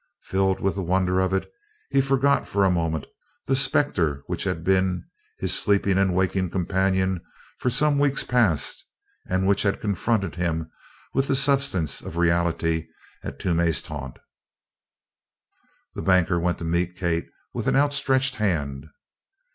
Filled with the wonder of it, he forgot for a moment the specter which had been his sleeping and waking companion for some weeks past and which had confronted him with the substance of reality at Toomey's taunt. The banker went to meet Kate with an outstretched hand.